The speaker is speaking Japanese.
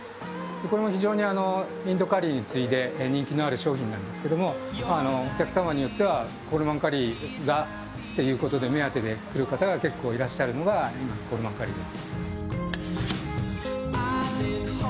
これも非常にインドカリーに次いで人気のある商品なんですがお客様によってはコールマンカリー目当てで来る方が結構いらっしゃるのがコールマンカリーです。